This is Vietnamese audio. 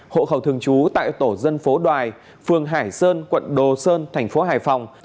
hộ khẩu thương chú tại tổ dân phố đoài phường hải sơn quận đồ sơn tp hải phòng